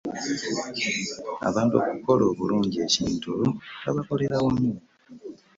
Abantu okukola bulungi ekintu nga bakolera wamu .